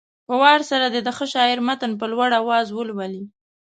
په وار سره دې د ښه شاعر متن په لوړ اواز ولولي.